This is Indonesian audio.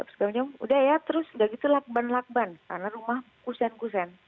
terus udah ya terus udah gitu lakban lakban karena rumah kusen kusen